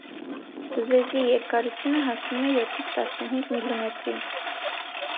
Բզեզի երկարությունը հասնում է յոթից տասնհինգ միլիմետրի։